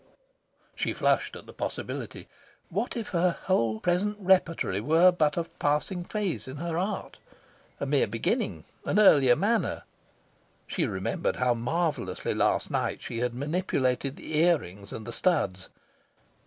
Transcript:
She flushed at the possibility. What if her whole present repertory were but a passing phase in her art a mere beginning an earlier manner? She remembered how marvellously last night she had manipulated the ear rings and the studs.